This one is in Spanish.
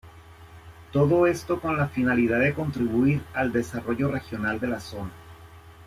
Todo esto con la finalidad de contribuir al desarrollo regional de la zona.